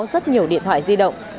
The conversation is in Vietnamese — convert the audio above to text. rất nhiều điện thoại di động